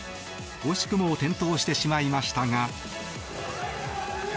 惜しくも転倒してしまいましたが。